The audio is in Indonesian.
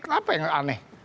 kenapa enggak aneh